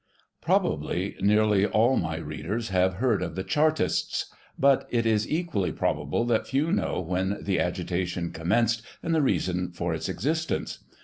'' Probably nearly all my readers have heard of the " Char tists," but it is equally probable that few know when the agitation commenced, and the reason for its existence.